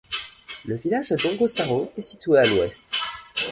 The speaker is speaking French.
Le village de Dongosaro est situé à l'ouest.